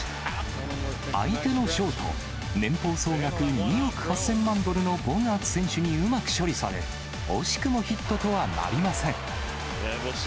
相手のショート、年俸総額２億８０００万ドルのボガーツ選手にうまく処理され、惜しくもヒットとはなりません。